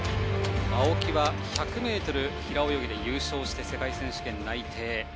青木は１００ｍ平泳ぎで優勝して世界選手権内定。